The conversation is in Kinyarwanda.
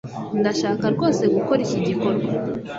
ndashaka rwose gukora iki gikorwa